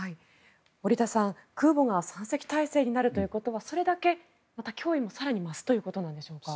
織田さん、空母が３隻体制になるということはそれだけ、また脅威が更に増すということなんでしょうか。